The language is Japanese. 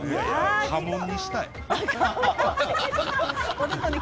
家紋にしたい。